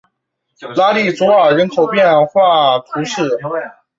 拉利佐尔人口变化图示